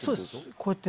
こうやって。